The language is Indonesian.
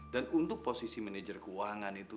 dan untuk posisi manajer keuangan itu